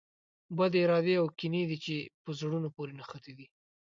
بدې ارادې او کینې دي چې په زړونو پورې نښتي دي.